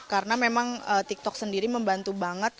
karena memang tiktok sendiri membantu banget